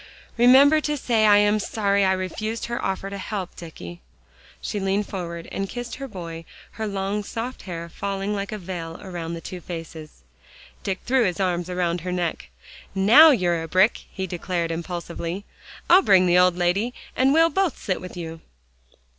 Remember, say I am sorry I refused her offer to help, Dicky." She leaned forward and kissed her boy, her long, soft hair falling like a veil around the two faces. Dick threw his arms around her neck. "Now, you're a brick!" he declared impulsively. "I'll bring the old lady, and we'll both sit with you."